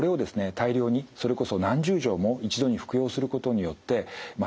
大量にそれこそ何十錠も一度に服用することによってまあ